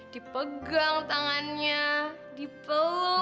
dipegang tangannya dipeluk